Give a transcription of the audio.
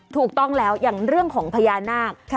ถูกต้องแล้วอย่างเรื่องของพญานาค